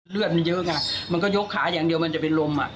เลือดมันเยอะไงมันก็ยกขาอย่างเดียวมันจะเป็นลม